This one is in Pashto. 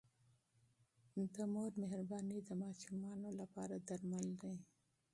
د مور مهرباني د ماشومانو لپاره درمل دی.